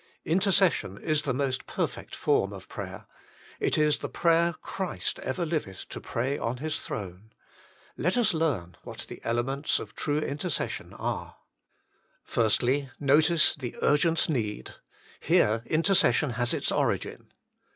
Intercession is the most perfect form of prayer: it is the prayer Christ ever liveth to pray on His throne. Let us learn what the elements of true inter cession are. 1. Notice the urgent need: here intercession has its origin.